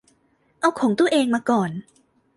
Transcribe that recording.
เอาของตัวเองมาก่อน